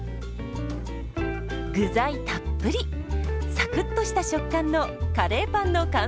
具材たっぷりサクッとした食感のカレーパンの完成です。